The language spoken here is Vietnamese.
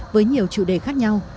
với nhiều chủ đề khác nhau